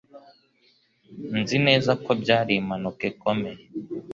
Nzi neza ko byari impanuka ikomeye.